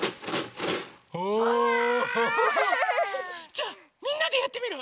じゃみんなでやってみる？